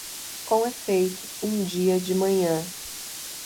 Com efeito, um dia de manhã